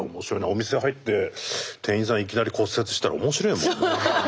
お店入って店員さんいきなり骨折してたら面白えもんなあ。